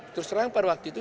terus terlalu paruh waktu itu